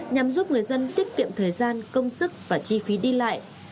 nhằm giúp người dân tiết kiệm thời gian công sức và chi phí đi lại